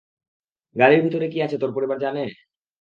গাড়ির ভিতরে কী আছে তোর পরিবার কি জানে?